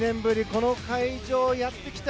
この会場にやってきた。